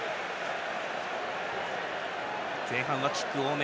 前半はキック多め。